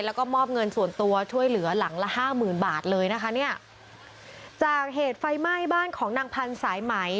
แล้วก็มอบเงินส่วนตัวช่วยเหลือหลังละห้าหมื่นบาทเลยนะคะเนี่ยจากเหตุไฟไหม้บ้านของนางพันธุ์สายไหม